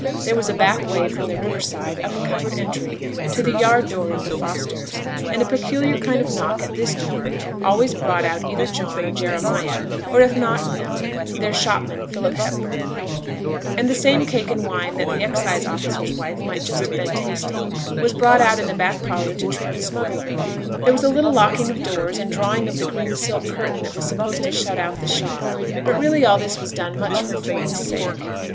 There was a back way from the river side, up a covered entry, to the yard door of the Fosters, and a peculiar kind of knock at this door always brought out either John or Jeremiah, or if not them, their shopman, Philip Hepburn; and the same cake and wine that the excise officer's wife might just have been tasting, was brought out in the back parlour to treat the smuggler. There was a little locking of doors, and drawing of the green silk curtain that was supposed to shut out the shop, but really all this was done very much for form's sake.